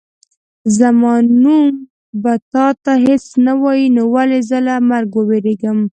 زما نوم به تا ته هېڅ نه وایي نو ولې زه له مرګه ووېرېږم.